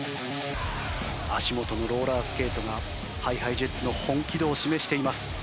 足元のローラースケートがＨｉＨｉＪｅｔｓの本気度を示しています。